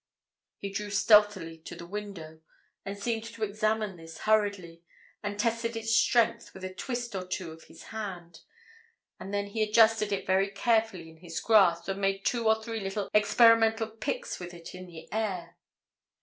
He drew stealthily to the window, and seemed to examine this hurriedly, and tested its strength with a twist or two of his hand. And then he adjusted it very carefully in his grasp, and made two or three little experimental picks with it in the air.